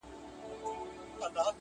په هغه شپه مي نیمګړی ژوند تمام وای.!